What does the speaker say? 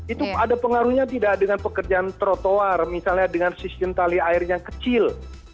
itu ada pengaruhnya tidak dengan pekerjaan trotoar misalnya dengan sistem tali air yang kecil